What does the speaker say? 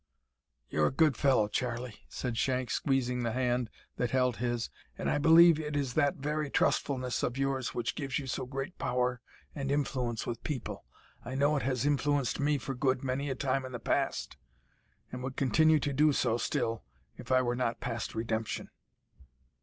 "You're a good fellow, Charlie," said Shank, squeezing the hand that held his, "and I believe it is that very trustfulness of yours which gives you so great power and influence with people. I know it has influenced me for good many a time in the past, and would continue to do so still if I were not past redemption."